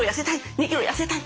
２キロ痩せたい！